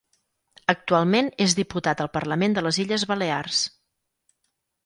Actualment és Diputat al Parlament de les Illes Balears.